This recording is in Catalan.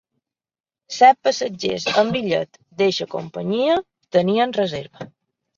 Set passatgers amb bitllet d'eixa companyia tenien reserva.